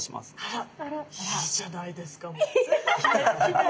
あらいいじゃないですか。